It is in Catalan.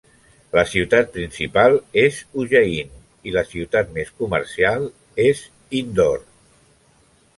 La ciutat principal és Ujjain i la ciutat més comercial és Indore.